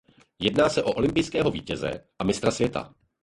Jedná se o olympijského vítěze a mistra světa.